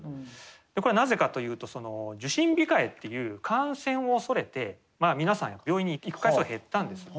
これはなぜかというと受診控えという感染を恐れて皆さん病院に行く回数減ったんです。